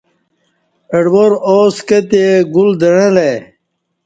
اڈوار آو سکہ تہ گل دعݩلہ ائی